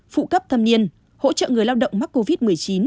phụ cấp thâm niên hỗ trợ người lao động mắc covid một mươi chín